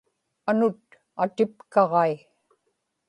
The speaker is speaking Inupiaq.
anut atipkaġai